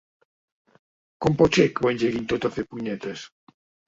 Com pot ser que ho engeguin tot a fer punyetes?